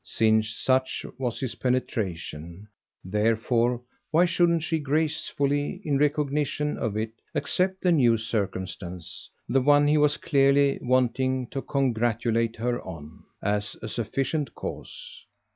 Since such was his penetration, therefore, why shouldn't she gracefully, in recognition of it, accept the new circumstance, the one he was clearly wanting to congratulate her on, as a sufficient cause?